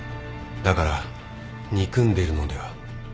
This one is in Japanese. だから憎んでいるのでは？